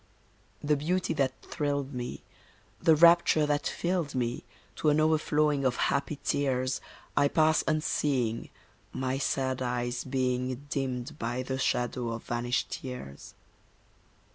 The beauty that thrilled me, the rapture that filled me, To an overflowing of happy tears, I pass unseeing, my sad eyes being Dimmed by the shadow of vanished years.